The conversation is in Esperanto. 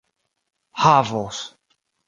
havos